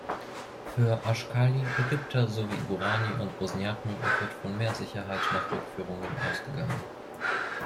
Für Ashkali, Ägypter sowie Gorani und Bosniaken wird von mehr Sicherheit nach Rückführungen ausgegangen.